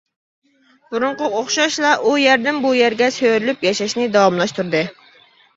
بۇرۇنقىغا ئوخشاشلا ئۇ يەردىن بۇ يەرگە سۆرىلىپ ياشاشنى داۋاملاشتۇردى.